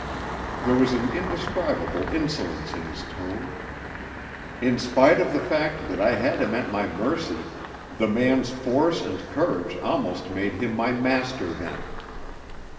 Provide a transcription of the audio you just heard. There was an indescribable insolence in his tone. In spite of the fact that I had him at my mercy, the man's force and courage almost made him my master then.